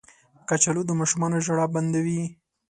کچالو د ماشومانو ژړا بندوي